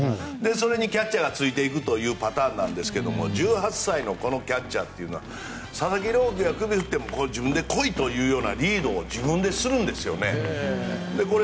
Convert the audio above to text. それにキャッチャーがついていくパターンですが１８歳のキャッチャーは佐々木朗希君が首を振っても自分で来いというようなリードを自分でするんですね。